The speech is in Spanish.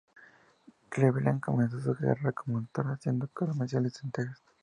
Cleveland comenzó su carrera como actor haciendo comerciales en Texas.